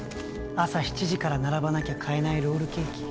朝７時から並ばなきゃ買えないロールケーキ